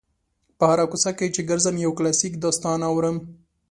په هره کوڅه کې چې ګرځم یو کلاسیک داستان اورم.